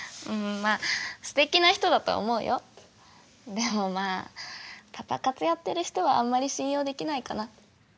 でもまあパパ活やってる人はあんまり信用できないかな。